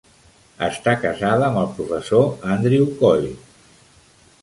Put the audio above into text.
Està casada amb el professor Andrew Coyle.